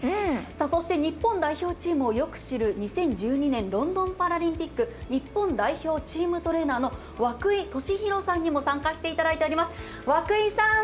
そして日本代表チームをよく知る２０１２年ロンドンパラリンピック日本代表チームトレーナーの涌井さんにも参加してもらっています。